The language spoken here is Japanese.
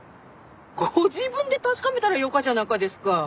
ご自分で確かめたらよかじゃなかですか。